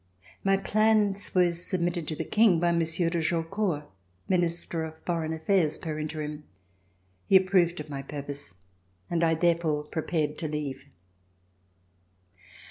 'My plans were submitted to the King by Monsieur de Jaucourt, Minister of Foreign Affairs per interim. He approved of my purpose and I there fore prepared to leave.